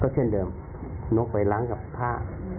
เช่นเดิมนกไปล้างกับผ้า